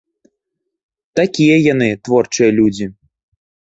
Такія яны, творчыя людзі.